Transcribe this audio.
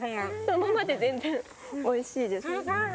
生で全然おいしいです。